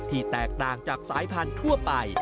แตกต่างจากสายพันธุ์ทั่วไป